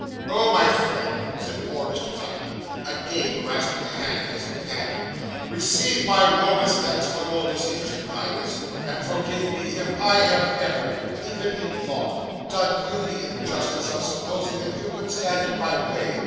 'Oh, my friend!' said poor Mr. Tupman, again grasping the hand of his companion, 'receive my warmest thanks for your disinterested kindness; and forgive me if I have ever, even in thought, done you the injustice of supposing that you could stand in my way.